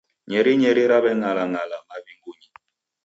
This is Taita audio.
Nyerinyeri raweng'alang'ala maw'inguny